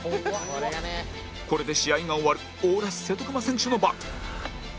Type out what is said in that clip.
これで試合が終わるオーラス瀬戸熊選手の番